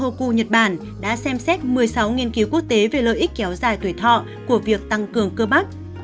và cơ hội ku nhật bản đã xem xét một mươi sáu nghiên cứu quốc tế về lợi ích kéo dài tuổi thọ của việc tăng cường cơ bắp